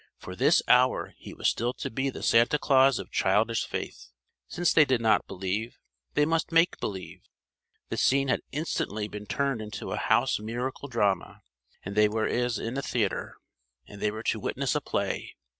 For this hour he was still to be the Santa Claus of childish faith. Since they did not believe, they must make believe! The scene had instantly been turned into a house miracle drama: and they were as in a theatre: and they were to witness a play!